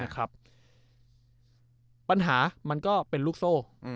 ปัญหามันก็เป็นลูกโซ่